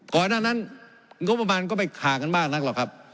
ก่อนหน้านั้นงบประมาณก็ไม่ขากันมากนักหรอกครับ